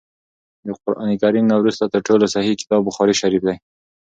د قران کريم نه وروسته تر ټولو صحيح کتاب بخاري شريف دی